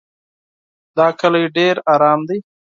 دا کلی ډېر ارام دی.